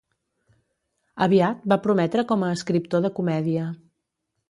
Aviat va prometre com a escriptor de comèdia.